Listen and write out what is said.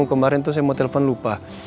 kemarin tuh saya mau telepon lupa